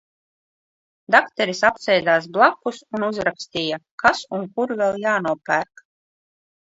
Dakteris apsēdās blakus un uzrakstīja, kas un kur vēl jānopērk.